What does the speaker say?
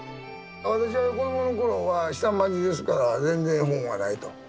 私は子どもの頃は下町ですから全然本はないと。